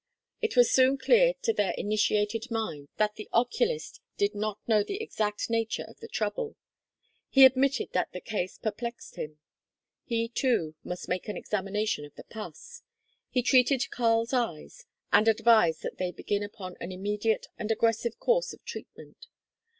It was soon clear to their initiated minds that the oculist did not know the exact nature of the trouble. He admitted that the case perplexed him. He, too, must make an examination of the pus. He treated Karl's eyes, and advised that they begin upon an immediate and aggressive course of treatment.